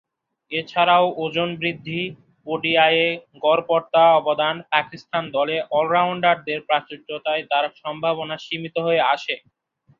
এছাড়াও, ওজন বৃদ্ধি, ওডিআইয়ে গড়পড়তা অবদান, পাকিস্তান দলে অল-রাউন্ডারদের প্রাচুর্যতায় তার সম্ভাবনা সীমিত হয়ে আসে।